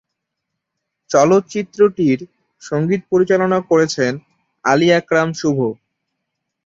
চলচ্চিত্রটির সঙ্গীত পরিচালনা করেছেন আলী আকরাম শুভ।